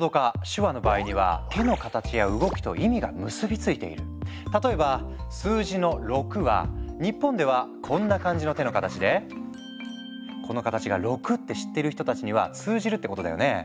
手話の場合には例えば数字の「６」は日本ではこんな感じの手の形でこの形が「６」って知っている人たちには通じるってことだよね。